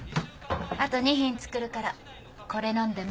あと２品作るからこれ飲んで待っててね。